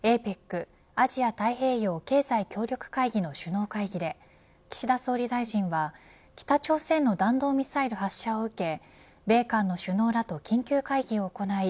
アジア太平洋経済協力会議の首脳会議で岸田総理大臣は北朝鮮の弾道ミサイル発射を受け米韓の首脳らと緊急会議を行い